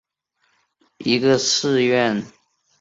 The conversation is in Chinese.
延历寺是位于滋贺县大津市坂本本町的一个寺院。